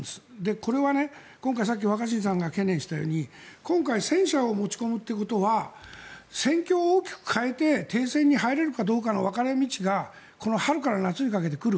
これは今回さっき若新さんが懸念したように今回、戦車を持ち込むということは戦況を大きく変えて停戦に入れるかどうかの分かれ道がこの春から夏にかけて来る。